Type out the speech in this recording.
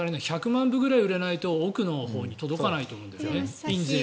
１００万部くらい売れないと奥のほうに届かないと思うんですが、印税。